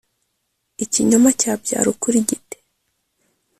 ikinyoma cyabyara ukuri gite?